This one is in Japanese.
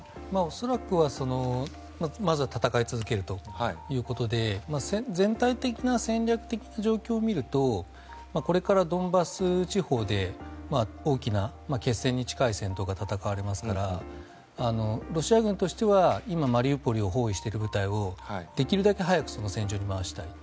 恐らくはまずは戦い続けるということで全体的な戦略的な状況を見るとこれからドンバス地方で大きな決戦に近い戦闘が戦われますからロシア軍としては今、マリウポリを包囲している部隊をできるだけ早くその戦場に回したい。